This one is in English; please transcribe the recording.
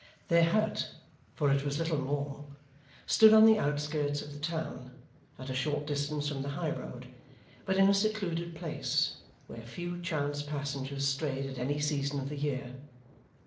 Their hut for it was little more stood on the outskirts of the town, at a short distance from the high road, but in a secluded place, where few chance passengers strayed at any season of the year.